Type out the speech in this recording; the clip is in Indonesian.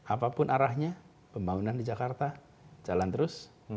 apapun arahnya pembangunan di jakarta jalan terus